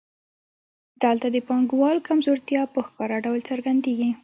دلته د پانګوال کمزورتیا په ښکاره ډول څرګندېږي